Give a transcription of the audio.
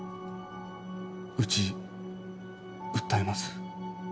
うち訴えます？